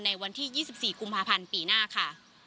ในวันที่๒๔กุมภาพันธ์ปีหน้าค่ะ